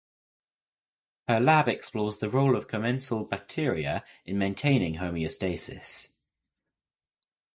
Her lab explores the role of commensal bacteria in maintaining homeostasis.